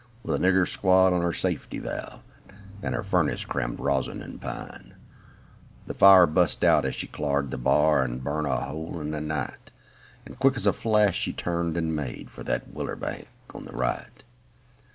With a nigger squat on her safety valve, And her furnace crammed, rosin and pina 662 Narrative The fire bust out as she clared the bar» And burnt a hole in the night. And quick as a flash she turned, and made To that wilier bank on the right.